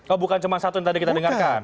oh bukan cuma satu yang tadi kita dengarkan